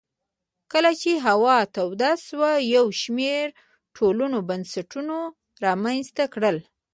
کله چې هوا توده شوه یو شمېر ټولنو بنسټونه رامنځته کړل